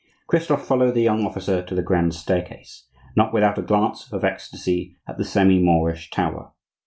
Christophe followed the young officer to the grand staircase, not without a glance of ecstasy at the semi Moorish tower.